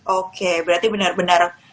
oke berarti benar benar